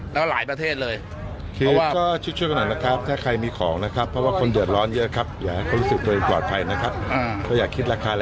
อย่าคิดราคาแรงสักทีเจอที่เกินไป